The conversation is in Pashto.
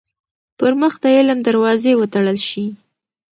پـر مـخ د عـلم دروازې وتـړل شي.